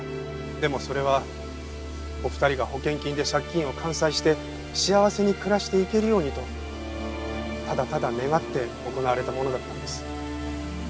でもそれはお二人が保険金で借金を完済して幸せに暮らしていけるようにとただただ願って行われたものだったんです。